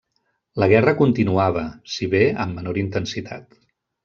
La guerra continuava, si bé amb menor intensitat.